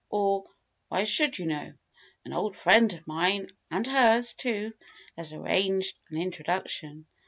Or why should you know? An old friend of mine and hers, too has arranged an introduction.